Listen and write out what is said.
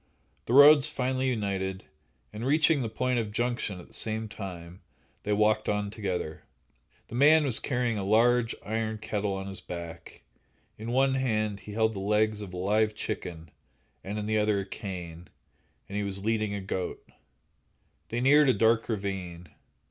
The roads finally united, and reaching the point of junction at the same time, they walked on together. The man was carrying a large iron kettle on his back; in one hand he held the legs of a live chicken, in the other a cane, and he was leading a goat. They neared a dark ravine.